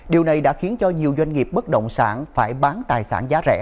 điều này đã khiến cho nhiều doanh nghiệp bất động sản phải bán tài sản giá rẻ